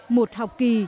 một học kỳ